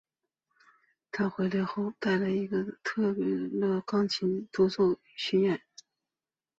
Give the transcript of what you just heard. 她回归后带来了一轮特别的钢琴独奏巡演。